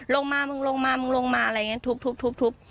ลงมามึงลงมามึงลงมาอะไรอย่างนี้ทุบ